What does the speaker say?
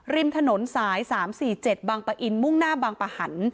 ริมถนนสาย๓๔๗บางปะอินมุ่งหน้าบางปะหัน